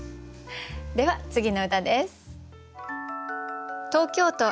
では次の歌です。